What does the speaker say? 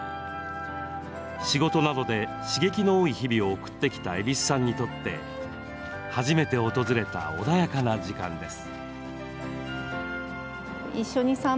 仕事などで刺激の多い日々を送ってきた蛭子さんにとって初めて訪れた穏やかな時間です。